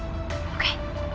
udah engga la